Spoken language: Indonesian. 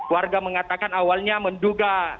warga mengatakan awalnya menduga